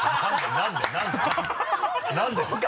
何でですか？